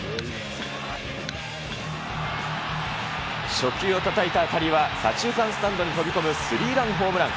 初球をたたいた当たりは、左中間スタンドに飛び込むスリーランホームラン。